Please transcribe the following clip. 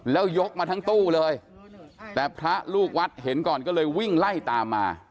แล้วยกมาทั้งตู้เลยแต่พระลูกวัดเห็นก่อนก็เลยวิ่งไล่ตามมา